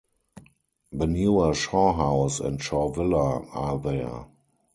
The newer Shaw House and Shaw Villa are there.